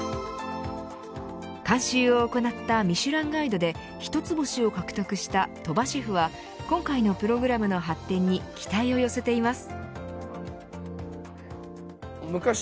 監修を行ったミシュランガイドで一ツ星を獲得した鳥羽シェフは今回のプログラムの発展に期待を寄せています。